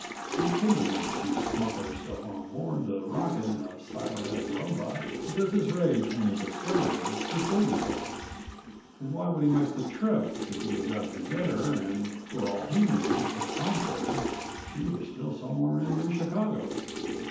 He couldn't have known she'd smuggle herself on board the rocket in a cybernetic robot ... because his rage when he discovered her precluded that. And why would he make the trip if he was out to get her and, for all he knew to the contrary, she was still somewhere in New Chicago?"